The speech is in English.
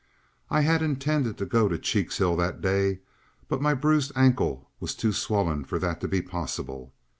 I had intended to go to Checkshill that day, but my bruised ankle was too swollen for that to be possible.